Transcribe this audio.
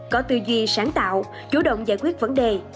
có tư duy sáng tạo chủ động giải quyết vấn đề